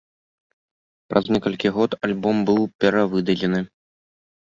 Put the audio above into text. Праз некалькі год альбом быў перавыдадзены.